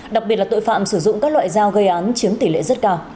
đặc biệt là tội phạm sử dụng các loại dao gây án chiếm tỷ lệ rất cao